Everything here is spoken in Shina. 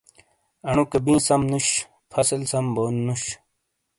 اݨوکے بِیں سم توک نُوش فصل سَم بونُو نش